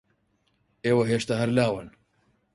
ئێوە ھێشتا ھەر لاون.